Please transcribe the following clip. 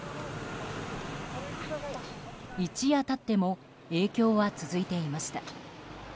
一夜経っても影響は続いていました。